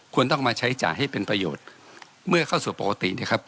ต้องมาใช้จ่ายให้เป็นประโยชน์เมื่อเข้าสู่ปกตินะครับ